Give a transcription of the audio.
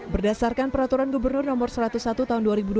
berdasarkan peraturan gubernur no satu ratus satu tahun dua ribu dua puluh